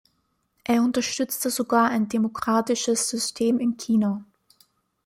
Er unterstützte sogar ein demokratisches System in China.